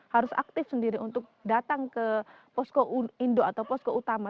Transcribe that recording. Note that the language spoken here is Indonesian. harus aktif sendiri untuk datang ke posko indo atau posko utama